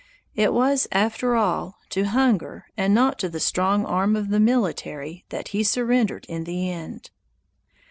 It was, after all, to hunger and not to the strong arm of the military that he surrendered in the end.